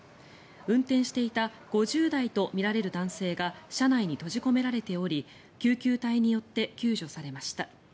運転していた５０代とみられる男性が車内に閉じ込められており救急隊によって救助されました。